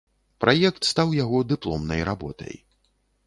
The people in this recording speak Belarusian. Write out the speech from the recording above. Праект стаў яго дыпломнай работай.